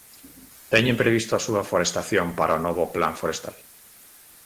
¿Teñen previsto a súa forestación para o novo Plan forestal?